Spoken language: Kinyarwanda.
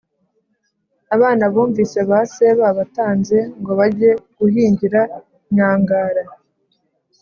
abana bumvise ba se babatanze ngo bajye guhingira nyangara,